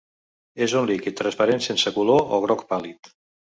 És un líquid transparent sense color o groc pàl·lid.